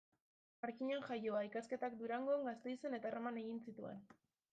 Markinan jaioa, ikasketak Durangon, Gasteizen eta Erroman egin zituen.